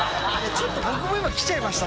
ちょっと僕も今きちゃいました